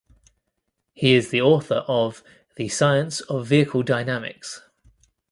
He is the author of "The Science of Vehicle Dynamics".